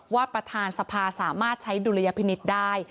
ประธานสภาสามารถใช้ดุลยพินิษฐ์ได้